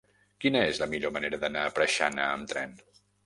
Quina és la millor manera d'anar a Preixana amb tren?